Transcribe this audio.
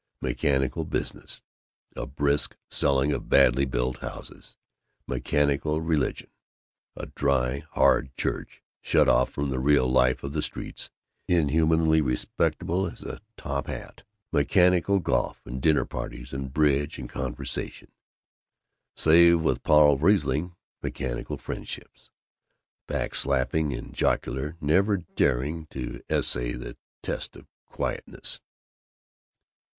Mechanical business a brisk selling of badly built houses. Mechanical religion a dry, hard church, shut off from the real life of the streets, inhumanly respectable as a top hat. Mechanical golf and dinner parties and bridge and conversation. Save with Paul Riesling, mechanical friendships back slapping and jocular, never daring to essay the test of quietness.